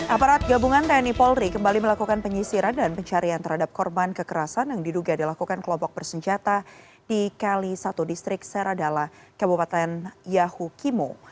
aparat gabungan tni polri kembali melakukan penyisiran dan pencarian terhadap korban kekerasan yang diduga dilakukan kelompok bersenjata di kali satu distrik seradala kabupaten yahukimo